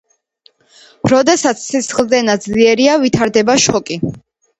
როდესაც სისხლდენა ძლიერია, ვითარდება შოკი.